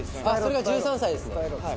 あっそれが１３歳ですね